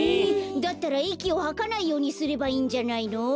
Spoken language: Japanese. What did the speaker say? だったらいきをはかないようにすればいいんじゃないの？